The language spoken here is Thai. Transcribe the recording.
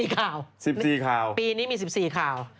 ๑๔ข่าวปีนี้มี๑๔ข่าว๑๔ข่าว